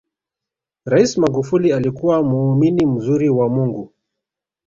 rais magufuli alikuwa muumini mzuri wa mungu